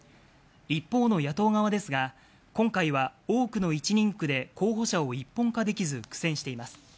一方の野党側ですが、今回は多くの１人区で、候補者を一本化できず、苦戦しています。